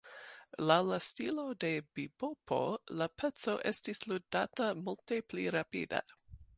Laŭ la stilo de bibopo la peco estis ludata multe pli rapida.